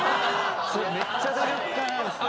めっちゃ努力家なんすよね。